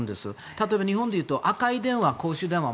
例えば日本でいうと赤い電話、公衆電話